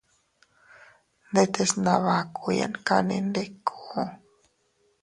Ndetes nabakuyan kanni ndiku.